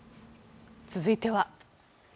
続いては。